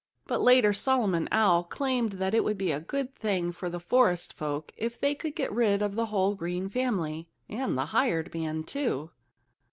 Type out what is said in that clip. But later Solomon Owl claimed that it would be a good thing for the forest folk if they could get rid of the whole Green family—and the hired man, too.